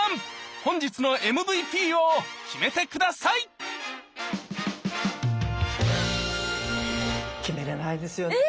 本日のＭＶＰを決めて下さい決めれないですよねえ。